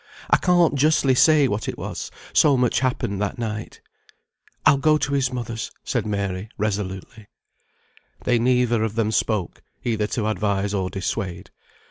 I can't justly say what it was, so much happened that night." "I'll go to his mother's," said Mary, resolutely. They neither of them spoke, either to advise or dissuade.